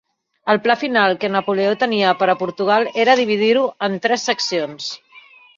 El pla final que Napoleó tenia per a Portugal era dividir-ho en tres seccions.